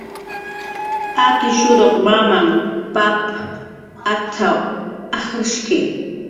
"Akishuruq mamahn pap at"" ajrshki"